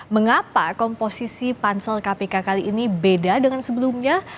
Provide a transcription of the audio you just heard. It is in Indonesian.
mengapa komposisi pansel kpk kali ini beda dengan sebelumnya